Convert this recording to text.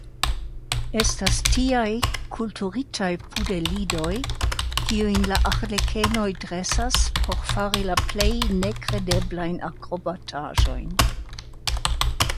Estas tiaj kulturitaj pudelidoj, kiujn la arlekenoj dresas por fari la plej nekredeblajn akrobataĵojn.